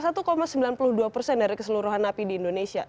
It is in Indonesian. dari keseluruhan napi di indonesia